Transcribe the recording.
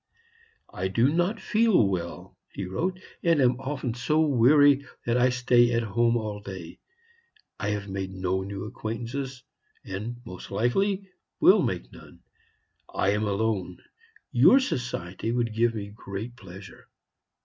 "I do not feel well," he wrote, "and am often so weary that I stay at home all day. I have made no new acquaintances, and, most likely, will make none. I am alone. Your society would give me great pleasure.